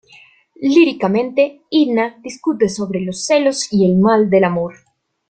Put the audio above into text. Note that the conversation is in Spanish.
Líricamente, Inna discute sobre los celos y el mal del amor.